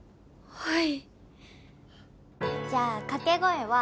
はい・